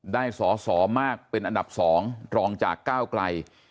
ได้สอสอมากเป็นอันดับ๒รองจากก้าวไกล